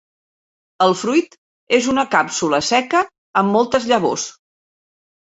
El fruit és una càpsula seca amb moltes llavors.